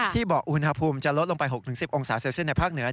บอกอุณหภูมิจะลดลงไป๖๑๐องศาเซลเซียตในภาคเหนือ